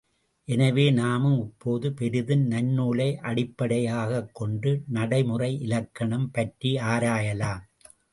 எனவே, நாமும் இப்போது பெரிதும் நன்னூலை அடிப்படையாகக் கொண்டு நடைமுறை இலக்கணம் பற்றி ஆராயலாம்.